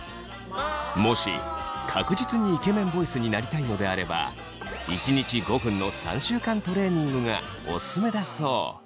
もし確実にイケメンボイスになりたいのであれば１日５分の３週間トレーニングがオススメだそう。